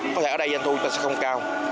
có thể ở đây doanh thu ta sẽ không cao